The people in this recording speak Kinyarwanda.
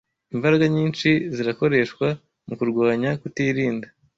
Imbaraga nyinshi zirakoreshwa mu kurwanya kutirinda;